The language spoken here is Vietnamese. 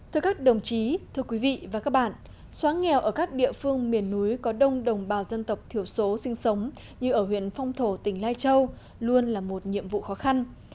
thưa các đồng chí thưa quý vị và các bạn xóa nghèo ở các địa phương miền núi có đông đồng bào dân tộc thiểu số sinh sống như ở huyện phong thổ tỉnh lai châu luôn là một nhiệm vụ khó khăn